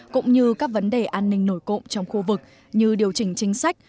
cũng như các vấn đề an ninh nổi cộng trong khu vực như điều chỉnh chính sách